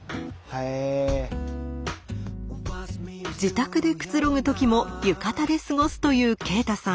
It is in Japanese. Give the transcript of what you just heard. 自宅でくつろぐ時も浴衣で過ごすという啓太さん。